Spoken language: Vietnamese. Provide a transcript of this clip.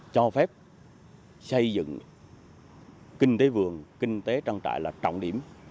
cho phép xây dựng kinh tế vườn kinh tế trang trại là trọng điểm